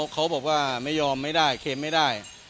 เขาบอกว่าไม่ยอมไม่ได้เค็มไม่ได้